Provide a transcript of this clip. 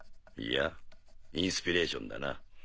いやインスピレーションだな。